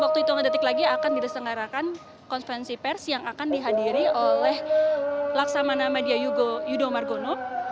waktu itu detik lagi akan diselenggarakan konferensi pers yang akan dihadiri oleh laksamana media yudho margono